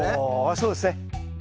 そうですね。